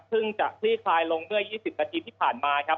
ซึ่งจะคลี่คลายลงเมื่อ๒๐นาทีที่ผ่านมาครับ